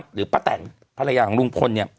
หรือป้าแต่งพระราญาของลุงพล